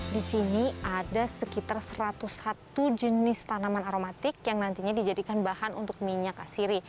di sini ada sekitar satu ratus satu jenis tanaman aromatik yang nantinya dijadikan bahan untuk minyak asiri